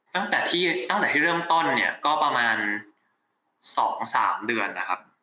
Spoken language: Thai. ตั้งแต่ที่เริ่มต้นเนี่ยก็ประมาณ๒๓เดือนนะครับ